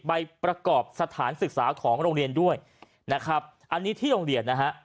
ใบประกอบสถานศึกษาของโรงเรียนด้วยนะครับอันนี้ที่โรงเรียนนะฮะ